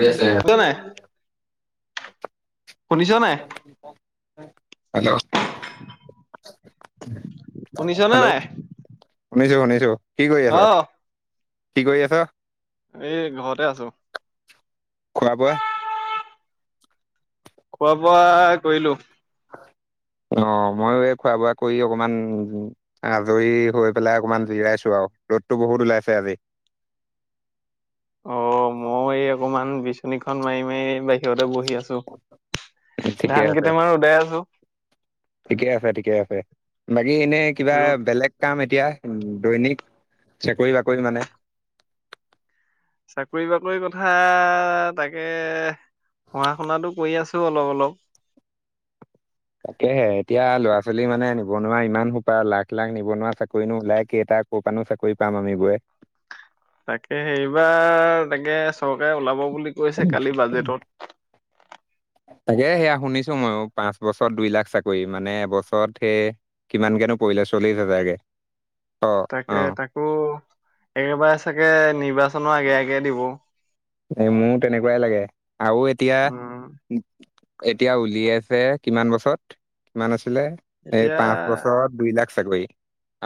গৈ আছে। শুনিছ নাই শুনিছ নাই হেল্ল' [unintelligible] শুনিছনে নাই? শুনিছোঁ শুনিছোঁ। কি কৰি আছ অ কি কৰি আছ? এই, ঘৰতে আছো। খোৱা, বোৱা? খোৱা- বোৱা কৰিলো। অ', ময়ো এই খোৱা - বোৱা কৰি অকমান আজৰি হৈ পেলাই অকণমান জিৰাইছো আও, ৰ'দতো বহুত ওলাইছে আজি। অ' মই এই অকমান বিচনীখন মাৰি মাৰি ব সিহঁতে বহি আছো। ঠিকে ধান আছে কেইটামান উদাই আছো। ঠিকে আছে, ঠিকে আছে। বাকী এনেই কিবা ৰ'দ বেলেগ কাম এতিয়া, দৈনিক চাকৰি বাকৰি মানে চাকৰি বাকৰি কথা তাকে পঢ়া - শুনাটো কৰি আছোঁ, অলপ অলপ। তাকেহে এতিয়া ল'ৰা ছোৱালী মানে, নিবনুৱা ইমান সোপা লাখ লাখ নিবনুৱা। চাকৰিনো ওলাই কেইটা? ক'পাণো চাকৰি পাম আমি বোৱে। তাকে, সেইবাৰ তাকে চৰকাৰে ওলাব বুলি কৈছে কালি উম', বাজেটত [inaudible] তাকে সেয়া শুনিছো ময়ো পাঁচ বছৰত দুই লাখ চাকৰি মানে এবছৰত সেই কিমানকে নো পৰিলে চলিশ হাজাৰকে। অ তাকে, অ তাকো একেবাৰে চাগে নিৰ্বাচনৰ আগে আগে দিব। এই মোৰ তেনেকুৱাই লাগে আৰু এতিয়া উম এতিয়া উলিয়াইছে কিমান বছৰত কিমান আছিলে? এই এতিয়া পাঁচ বছৰত দুই লাখ চাকৰি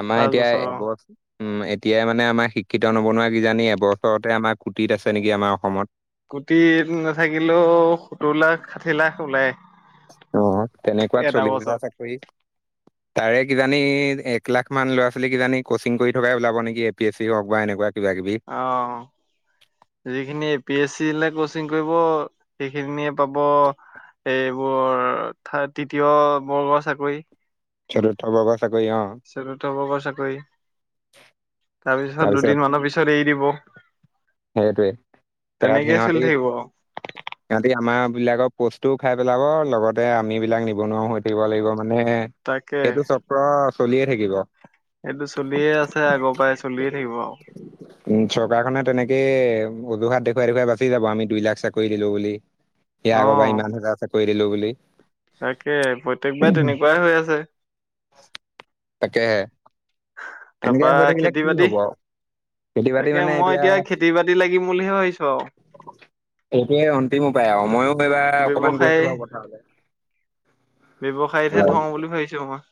আমাৰ পাঁচ এতিয়া বছৰ অ এবছ উম, এতিয়া মানে আমাৰ শিক্ষিত নবনুৱা কিজানি এবছৰতে আমাৰ কোটিত আছে নেকি আমাৰ অসমত। কোটিত নাথাকিলেও সত্তৰ লাখ ষাঠি লাখ ওলাই। অ' তেনেকুৱাত এটা চলিছ বছৰত। হাজাৰ চাকৰি তাৰে কিজানি, এক লাখ মান ল'ৰা-ছোৱালী কিজানি কচিং কৰি থকাই ওলাব নেকি? কেফে হওক বা এনেকুৱা কিবা কিবি। অ'। যিখিনি এ পি স চি লে কোচিং কৰিব সেইখিনিয়ে পাব এইবোৰ থা তৃতীয় বৰ্গৰ চাকৰি। চতুৰ্থ বৰ্গৰ চাকৰি অ'। [unintelligible] ভাগৰ চাকৰি। তাৰপিছত দুদিন মানৰ পিছত এৰি দিব। সেইটোৱে তাত তেনেকেই সিহঁতি চলি থাকিব। [unintelligible] সিহঁতি আমাৰ বিলাকৰ পোষ্টটো খাই পেলাব লগতে আমিবিলাক নিবনুৱা হৈ থাকিব লাগিব মানে তাকে সেইটো চক্ৰ চলিয়ে থাকিব। সেইটো চলিয়ে আছে আগৰ পৰাই চলিয়ে থাকিব আৰু। উম, চৰকাৰখনে তেনেকেই অভিঘাত দেখুৱাই দেখুৱাই বাচি যাব আমি দুই লাখ চাকৰি দিলো বুলি। সেইয়া আগৰ বা অ' ইমান হাজাৰ চৰকাৰী দিলো বুলি। তাকে প্ৰত্যেকবাৰ তেনেকুৱাই হৈ আছে। তাকে এনেকে তাৰপা হৈ থাকিলে খেতি কি বাতি হব আৰু? তাকে মই এতিয়া খেতি বাতি লাগিম বুলিহে ভাবিছো আৰু। সেইয়ে অন্তিম উপায় আৰু ময়ো এইবাৰ অকমান গৈছো ব্যৱসায় বাৰু পথাৰলে। ব্যৱসায়তহে থওঁ বুলি ভাবিছো অকণমান।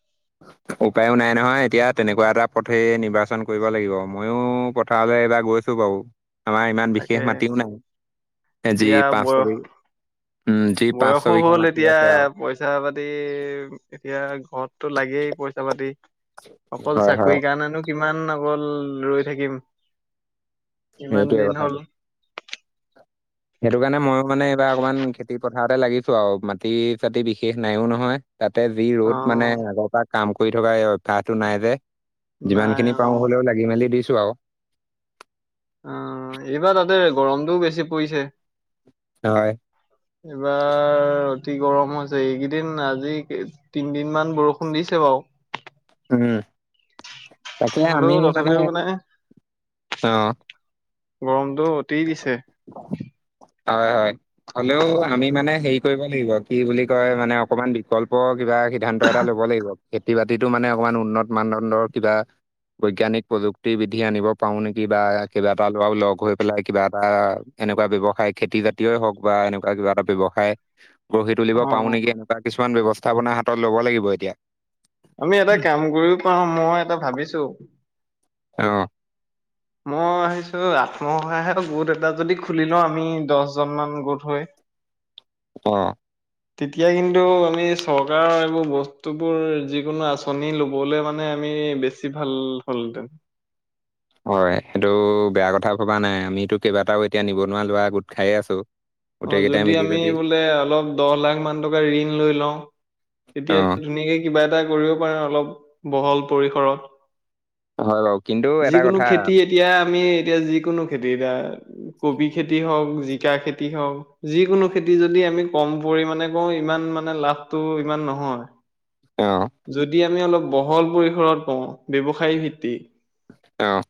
উপায়ো নাই নহয় এতিয়া তেনেকুৱা এটা পথেই নিৰ্বাচন কৰিব লাগিব ময়ো পথাৰলৈ এইবাৰ গৈছো। বাৰু আমাৰ ইমান তাকে বিশেষ মাটিও নাই। এ যি এতিয়া পাঁচ ছয় বয়স বিঘা উম যি পাঁচ বয়সো ছবিঘা হ'ল মাটি এতিয়া আছে আৰু পইচা পাতি এতিয়া ঘৰততো লাগেই পইচা পাতি। অকল হয় হয় চাকৰি কাৰণেনো কিমান অকল ৰৈ থাকিম। ইমান সেইটোৱে দিন হ'ল কথাটো সেইটো কাৰণে মই মানে এইবাৰ অকমান খেতি পথাৰতে লাগিছো আৰু মাটি চাতি বিশেষ নাইও নহয়। তাতে যি অ ৰ'দ মানে আগৰ পৰা কাম কৰি থকা এই অভ্যাসটো নাই যে। যিমান নাই খিনি অ পাৰোঁ হলেওঁ লাগি মেলি দিছো আৰু। অ এইবাৰ তাতে গৰমটোও বেছি পৰিছে। হয়। এইবাৰ অতি গৰম হৈছে এইকেইদিন আজি তিনদিন মান বৰষুণ দিছে বাৰু। উম। তাকে আমি হলেও মানে তথাপিও গৰমটো অতি দিছে। হয় হয়। হ'লেও আমি মানে হেৰি কৰিব লাগিব কি বুলি কয় মানে অকমান বিকল্পৰ কিবা সিদ্ধান্ত এটা ল'ব লাগিব খেতি বাতিতো মানে অকমান উন্নত মানদণ্ডৰ কিবা বৈজ্ঞানিক প্ৰযুক্তি বিধি আনিব পাৰো নেকি বা কিবা এটা ল'ৰা লগ হৈ পেলাই কিবা এটা এনেকুৱা ব্যৱসায় খেতি জাতীয় হওক বা এনেকুৱা কিবা এটা ব্যয়ৱসায় গঢ়ি অ তুলিব পাৰো নেকি বা কিছুমান ব্যৱস্থা আপনা হাতত ল'ব লাগিব এতিয়া। আমি এটা কাম কৰিও পাওঁ মই এটা ভাবিছো। অ। মই ভাবিছোঁ আত্মসহায় গোট এটা যদি খুলি লওঁ আমি দহজন মান গোট হয়। অ। তেতিয়া কিন্তু আমি চৰকাৰৰ এইবোৰ বস্তুবোৰ যিকোনো আঁচনি ল'বলৈ মানে আমি বেছি বেছি ভাল হ'ল হেতেন। হয়, সেইটো বেয়া কথা ভবা নাই আমিতো কেইবাটাও এতিয়া নিবনুৱা ল'ৰা গোট খাই আছোঁ। অ', যদি আমি বোলে অলপ দহ লাখ মান টকা ঋণ লৈ লওঁ। অ তেতিয়া ধুনীয়াকে কিবা এটা কৰিব পাৰে অলপ বহল পৰিসৰত হয় বাৰু কিন্তু এটা যিকোনো কথা খেতি এতিয়া আমি এতিয়া যিকোনো খেতি এতিয়া কবি খেতি হওক জিকা খেতি হওক যিকোনো খেতি যদি আমি কম পৰিমাণে কৰোঁ ইমান মানে লাভটো ইমান নহয়। অ', যদি আমি অলপ বহল পৰিসৰত পওঁ ব্যৱসায় ভিত্তিক অ',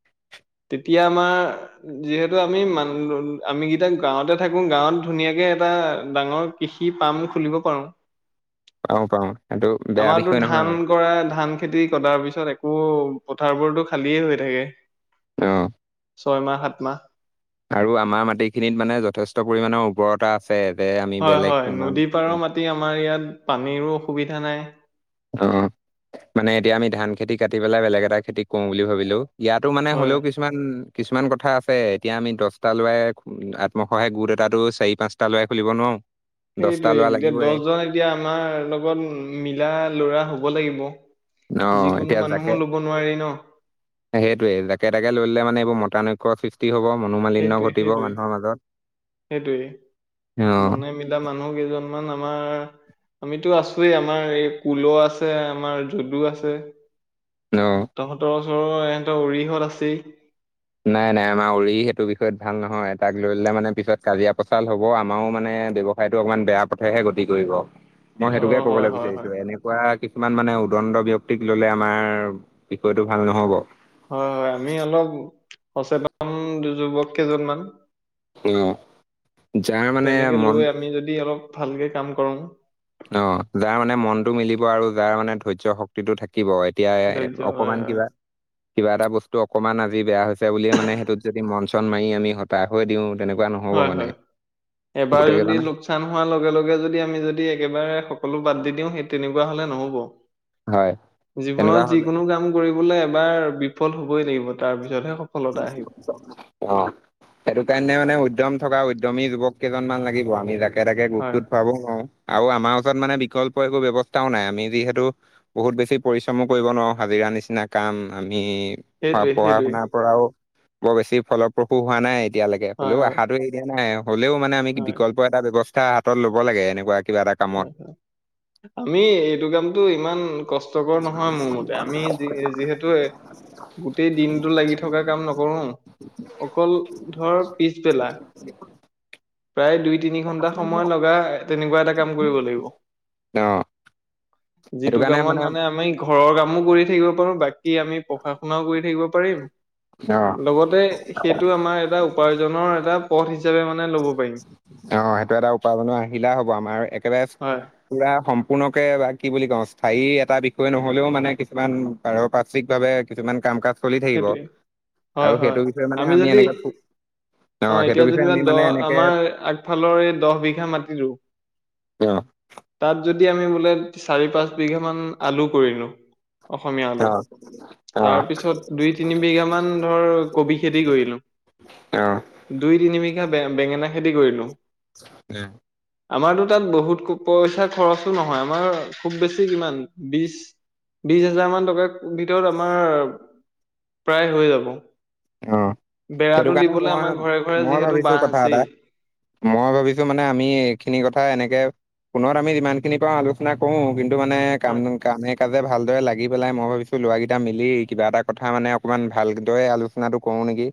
তেতিয়া আমাৰ যিহেতু আমি মান আমি কেইটা গাঁৱতে থাকো গাঁৱত ধুনীয়াকে এটা ডাঙৰ কৃষি পাৰ্ম খুলিব পাৰোঁ পাৰোঁ পাৰোঁ সেইটো বেয়া আমাৰতো বিষয় ধান নহয় কৰা ধান খেতি কতাৰ পিছত একো পথাৰবোৰতো খালিয়ে হৈ থাকে। অ', ছয়মাহ সাত মাহ আৰু আমাৰ মাটিখিনিত মানে যথেষ্ট পৰিমাণৰ উৰ্বৰতা আছে যে আমি হয় বেলেগ হয় নদী কিমান [unintelligible] আমাৰ ইয়াত পানীৰো অসুবিধা নাই। অ', মানে এতিয়া আমি ধান খেতি কাটি পেলাই বেলেগ এটা খেতি কৰো বুলি ভাবিলেও ইয়াতো মানে হয় হলেও কি কিছুমান - কিছুমান, কথা আছে এতিয়া আমি দশটা লৰাই আত্মসহায়ক গোট এটাতো চাৰি পাঁচ তা লয়াই খুলিব নোৱাৰো সেইটোৱে এতিয়া দশজন এতিয়া আমাৰ লগত মিলা লৰা হব লাগিব। অ', যিকোনো মানুহো লব নোৱাৰি ন? সেইটোয়ে যাকে তাকে লৈ ললে মানে মতানৈক্য সৃষ্টি তি হব মনোমালিন্য সেইটোৱে ঘটিব সেইটোৱে মানুহৰ মাজত সেইটোৱে অ', [unintelligible] মানুহ কেইজনমান আমাৰ আমিতো আছোযৱে আমাৰ এই কুল আছে, আমাৰ যদু আছে। অ', তহঁতৰ ওচৰৰ এহঁতৰ উৰিহত আছেই। নাই নাই আমাৰ উৰি সেইটো বিষয়ত ভাল নহয় তাক লৈ ললে মানে পিছত কাজিয়া পচাল হ'ব আমাৰো মানে ব্যৱ সাইটো অকনমান বেয়া পথেহে গতি কৰিব, মই অ সেইটোকে হয় কবলৈ হয় হয় বিচাৰিছো। এনেকুৱা কিছুমান মানে উদণ্ড ব্যক্তিক ললে আমাৰ বিষয়টো ভাল নহব। হয় - হয়, আমি অলপ সচেতন যুৱক কেইজনমান অ'। যাৰ মানে তেনেকে মন লৈ আমি যদি অলপ ভালকে কাম কৰো। অ', যাৰ মানে মনতটো মিলিব আৰু যাৰ মানে ধৈৰ্য শক্তি শক্তিটো থাকিব, এতিয়া ধৈৰ্য্য হয় অকমান হয় কিবা, কিবা এটা বস্তু অকণমান আজি বেয়া হৈছে বুলিয়ে মানে সেইটোত যদি মন চন মাৰি আমি হতাশ হৈ দিওঁ তেনেকুৱা নহ'ব হয় মানে গোটেই কেইজনে কাম হোৱা লগে লগে যদি আমি যদি একেবাৰে সকলো বাদ দি দিওঁ সেই তেনেকুৱা হলে নহব। হয় তেনেকুৱা জীৱনত হ'লে যিকোনো কাম কৰিবলে এবাৰ বিফল হবই লাগিব তাৰ পিছতহে সফলতা আহিব [inaudible] অ', সেইটো কাৰণে মানে উদ্যম থকা উদ্যমী যুৱক কেইজনমান লাগিব আমি জাগ একেটাকে হয়, গ্ৰুপটোত ভাৰাবও নোৱাৰো আৰু আমাৰ ওচৰত মানে বিকল্প একো ব্যৱস্থাও নাই আমি যিহেতু বহুত বেছি পৰিশ্ৰমো কৰিব নোৱাৰোঁ হাজিৰা নিচিনা কাম আমি সেইটোৱে, পঢ়া সেইটোৱে। শুনাৰ পৰাও বৰ বেছি ফলপ্ৰসু হোৱা নাই। এতিয়ালৈকে হয়, হ'লেও হয়, অশাটো এৰি দিয়া নাই হ'লেও মানে আমি হয়, বিকল্প এনেকুৱা এটা ব্যৱস্থা হাতত ল'ব লাগে এনেকুৱা কিবা এটা কামত হয় হয়। আমি এইটো কামতটো ইমান কষ্টকৰ নহয় মোৰ মতে আমি যিহেতু গোটেই দিনটো লাগি থাক থকা কাম নকৰো অকল ধৰ পিছবেলা। প্ৰায় দুই তিনি ঘন্টা সময় লগা তেনেকুৱা এটা কাম কৰিব লাগিব। অহ। যিটো কামত মানে আমি ঘৰৰ কামো কৰি থাকিব পাৰো বাকি আমি পঢ়া শুনাও কৰি থাকিব, পাৰিম অ লগতে সেইটো আমাৰ এটা উপাৰ্জনৰ এটা পথ হিচাপে মানে ল'ব পাৰিম। অ সেইটো এটা উপাৰ্জনৰ আহিলা হ'ব আমাৰ একেবাৰে হয়। পুৰা সম্পূৰ্ণকে বা কি বুলি কও স্থায়ী এটা বিষয় নহলেও মানে কিছুমান পাৰপাৰ্শ্বিকভাৱে কিছুমান কাম কাজ চলি থাকিব সেইটোৱে। হয়, আৰু হয়। সেইটো বিষয়ে মানে আমি এনে যদি অ সেইটো বিষয়ে আমি, দ মানে এনেকে আমাৰ আগফালৰ এই দহ বিঘা মাটিটো অ তাত যদি আমি বোলে চাৰি পাঁচ বিঘা মান আলু কৰিলো। অসমীয়া আলু অ অ তাৰপিছত, দুই তিনি বিঘা মান ধৰ কবি খেতি কৰিলো। অ দুই তিনি বিঘা বেঙেনা খেতি কৰিলো। দেহ, আমাৰতো তাত বহুত পইচা খৰচো নহয় আমাৰ খুব বেছি কিমান বিশ, বিশ হাজাৰ মান টকাৰ ভিতৰত আমাৰ প্ৰায় হৈ যাব অ সেইটো বেৰাটো কাৰণে দিবলে মই আমাৰ ঘৰে ঘৰে মই যিহেতু ভাবিছো বাহ কথা এটা আছেই। মই ভাবিছো মানে আমি এইখিনি কথা এনেকে। ফোনত আমি যিমানখিনি পাৰো আলোচনা কৰো কিন্তু মানে কাম কামে কাজে ভালদৰে লাগি পেলাই মই ভাবিছোঁ ল'ৰাকেইটা মিলি কিবা এটা কথা মানে অকণমান ভালদৰে আলো চনাটো কৰো নেকি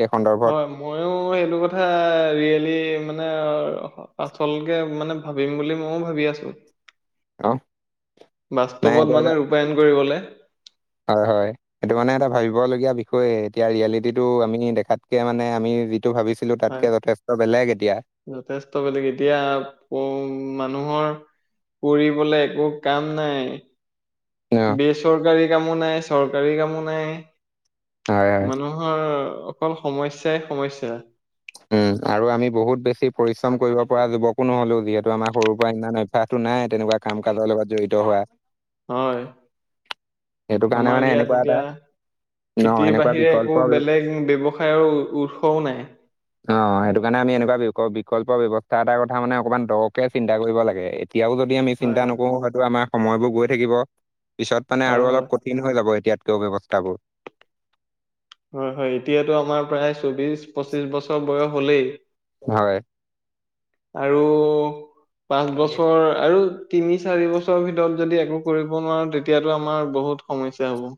এই সন্দৰ্ভত। হয় ময়ো সেইটো কথা ৰিয়েলি মানে আচলকে মানে ভাবিম বুলি মইও ভাবি আছো। অ নাই এইটো বাস্তৱত এটা মানে ৰূপায়ন কৰিবলে। হয় হয়। সেইটো মানে এটা ভাবিবলগীয়া বিষয় এতিয়া ৰিয়েলিটিটো আমি দেখাতকে মানে আমি যিটো ভাবিছো। ছিলো তাতকে হয় যথেষ্ট বেলেগ এতিয়া। যথেষ্ট বেলেগ এতিয়া মানুহৰ, কৰিবলে একো কাম নাই। অ বেচৰকাৰী কামো নাই চৰকাৰী কামো নাই হয় হয় মানুহৰ, অকল সমস্যাই সমস্যা। উম আৰু আমি বহুত বেছি পৰিশ্ৰম কৰিব পৰা যুৱকো নহলো যিহেতু আমাৰ সৰুৰ পৰা ইমান, সাহটো নাই তেনেকুৱা কাম কাজৰ লগত জড়িত হোৱা। হয়। সেইটো কাৰণে মানে আমাৰ ইয়াত এনেকুৱা এটা এতিয়া অ খেতিৰ এনেকুৱা বাহিৰে বিকল্প একো ব্য- বেলেগ ব্যৱসায়- সায়ৰ উৎসও নাই। অ সেইটো কাৰণে আমি এনেকুৱা বি বিকল্প ব্যয়ৱস্থা এটাাৰ কথা মানে অকণমান দৰকে চিন্তা কৰিব লাগে- এতিয়াও যদি আমি হয় চিন্তা হয় নকৰো হয়তো আমাৰ সময়বোৰ গৈ থাকিব। পিছত মানে হয় আৰু হয় অলপ কঠিন হৈ যাব এতিয়াতকে ব্যৱস্থাবোৰ। হয় হয় এতিয়াতো আমাৰ প্ৰায় চৌবিশ পঁচিশ বছৰ বয়স হলেই- হয়। আৰু পাঁচ বছৰ আৰু- তিনি চাৰি বছৰৰ ভিতৰত যদি একো কৰিব নোৱাৰো তেতিয়াতো আমাৰ বহুত সমস্যা হ'ব।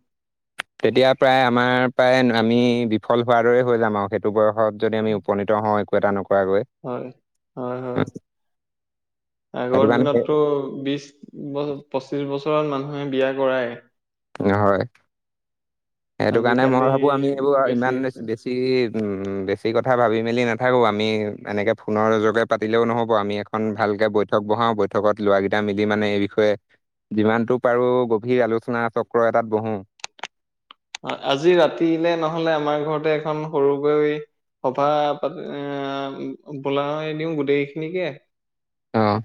তেতিয়া প্ৰায় আমাৰ প্ৰায় আমি বিফল হোৱাৰ দৰে হৈ যাম আৰু সেই- টো বয়সত যদি আমি উপনীত হওঁ একো এটা নকৰাকৈ। হয়, হয় হয়, উম, আগৰ সেইটো কাৰণে দিনতটো বিশ- পঁচিছ বছৰত মানুহে বিয়া কৰায়। হয়, সেইটো কাৰণে আজিকালি মই ভাবোঁ আমি এইবোৰ বেছি ইমান হৈছে বেছ- বেছি কথা ভাবি মেলি নাথাকোঁ আমি এনেকৈ ফোনৰ যোগে পাতিলেও নহ'ব আমি আকৌ- এখন ভালকে বৈঠক বহাও বৈঠকত লৰা কেইটা মিলি মানে এই বিষয়ে- যিমানতটো পাৰো গভীৰ আলোচনা চক্ৰ এটাত বহোঁ। অ আজি ৰাতিলে নহলে আমাৰ ঘৰতে এখন সৰু কৈ- সভা পাতি বোলাই দিওঁ গোটেই খিনিকে- অঁ।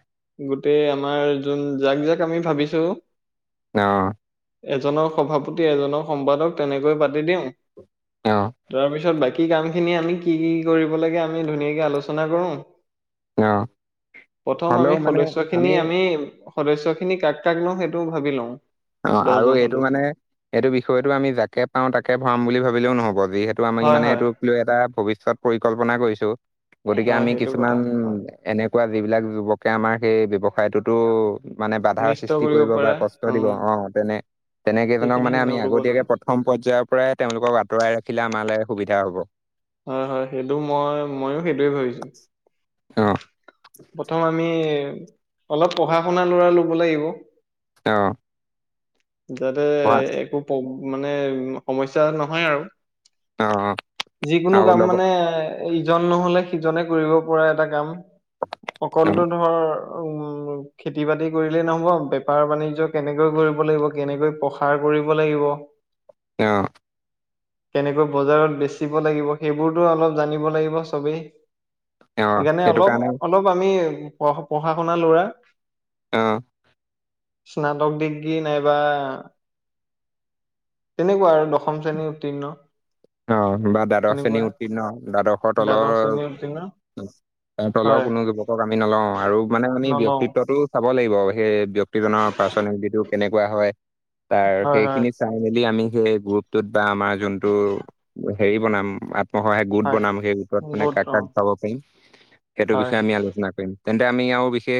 গোটেই আমাৰ যোন যাক জাক আমি ভাবিছো। অঁ। এজনৰ সভাপতি এজনৰ সম্পাদক তেনেকৈ পাতি দিওঁ- অ। তাৰ পিছত বাকী কাম খিনি আমি কি কি কৰিব লাগে, আমি ধুনীয়াকে আলোচনা কৰো। অ, হ'লেও মোক। সদস্য খিনি আমি সদস্য খিনি কাক কাক লওঁ সেইটোও ভাবি লওঁ। অ আৰু দহজন এইটো সদস্য মানে এইটো বিষয়টো আমি যাকে পাওঁ তাকে ভৰাম বুলি ভাবিলেও নহ'ব যিহেতু- এইটো আমি হয় মানে হয় এইটোক লৈ এটা ভৱিষ্যত পৰিকল্পনা কৰিছো গতিকে হয় আমি সেইটো কথা হয় কিছুমান- এনেকুৱা যিবিলাক যুৱকে আমাৰ সেই ব্যৱসায়টোতো- মানে বাধাৰ অনিষ্ট সৃষ্টি কৰিব বা পাৰা কষ্ট দিব উম অ তেনে তেনেকেইজনক সেইখিনি মানে আমি নল'ব নোৱাৰি আগতীয়াকে- প্ৰথম পৰ্য্যায়ৰ পৰাই তেওঁলোকক আঁতৰাই ৰাখিলে আমালে সুবিধা হব। হয় হয় সেইটো মই ময়ো সেইটোৱে ভাবিছো। অঁ' প্ৰথম আমি অলপ পঢ়া শুনা লৰা লব লাগিব। অঁ' যাতে একো প মানে সমস্যা নহয় আৰু। অ অ যিকোনো আৰু কাম লগত মানে- ইজন নহলে সিজনে কৰিব পৰা এটা কাম অ অকলতো ধৰ উম- খেতি বাতি কৰিলেই নহব বেপাৰ বাণিজ্য কেনেকৈ কৰিব লাগিব কেনেকৈ প্ৰসাৰ কৰিব লাগিব। অঁ' কেনেকৈ বজাৰত বেছিব লাগিব সেইবোৰতো অলপ জানিব লাগিব চবেই। অ সেইকাৰণে সেইটো অলপ কাৰণে অলপ আমি পঢ়া শুনা লৰা। অঁ' স্নাতক ডিগ্ৰী নাইবা- তেনেকুৱা আৰু দশম শ্ৰেণীৰ উত্তীৰ্ণ। অ বা দ্বাদশ শ্ৰেণী তেনেকুৱা উত্তীৰ্ণ দ্বাদশ, দ্বাদশ শ্ৰেনীৰ উত্তীৰ্ণ। ত তলৰ হয় কোনো যুৱকক আমি নলওঁ আৰু মানে আমি নলওঁ ব্যয়ক্তিত্বতো, চাব লাগিব সেই ব্যক্তিজনৰ পাৰ্চনেলিটিটো কেনেকুৱা হয়, তাৰ হয় হয় সেইখিনি- চাই মেলি আমি সেই গ্ৰুপটোত বা আমাৰ যোনটো হেৰি বনাম, অ সহায় গোট হয় বনাম সেই গোটত মানে বহুত কাক অ কাক যাব পাৰিম। সেইটো হয় বিষয়ে আমি আলোচনা কৰিম। তেন্তে আমি আৰু বিশেষ,